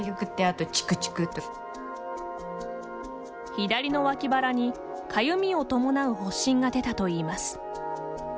左の脇腹にかゆみを伴う発疹が出たといいます。